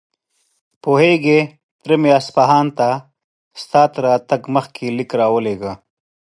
پوهېږې، تره مې اصفهان ته ستا تر راتګ مخکې ليک راولېږه.